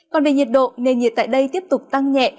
còn về nhiệt độ nền nhiệt tại đây tiếp tục tăng nhẹ